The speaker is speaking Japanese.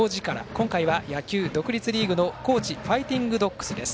今回は野球独立リーグの高知ファイティングドッグスです。